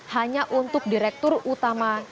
hanya untuk direktur utama